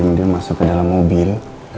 rena jam dia masuk ke dalam mobil